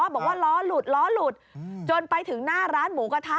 บอกว่าล้อหลุดล้อหลุดจนไปถึงหน้าร้านหมูกระทะ